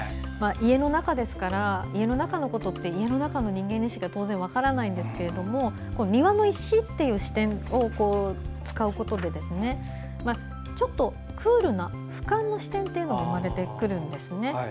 家の中ですから家の中のことって家の中の人しか当然分からないんですけども庭の石っていう視点を使うことでちょっとクールなふかんの視点が出てくるんですね。